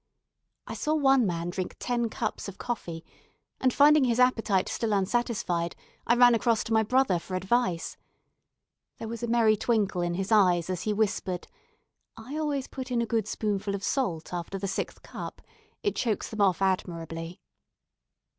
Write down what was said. I saw one man drink ten cups of coffee; and finding his appetite still unsatisfied, I ran across to my brother for advice. There was a merry twinkle in his eyes as he whispered, "I always put in a good spoonful of salt after the sixth cup. It chokes them off admirably."